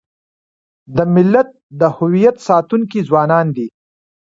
د ملت د هویت ساتونکي ځوانان دي.